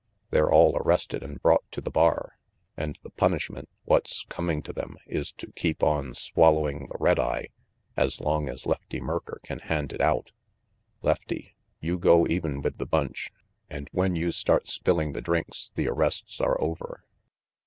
"They're all arrested and brought to the bar, and the punishment what's coming to them is to keep on swallowing the red eye as long as Lefty Merker can hand it out. Lefty, you go even with the bunch, and when you start spilling th6 drinks the arrests are over.